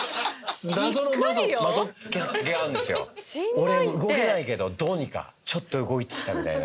俺動けないけどどうにかちょっと動いてきたみたいな。